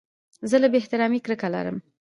زه له بې احترامۍ کرکه لرم.